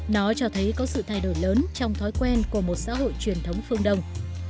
nó cho thấy có sự thay đổi lớn trong thói quen của một xã hội truyền thống phương đông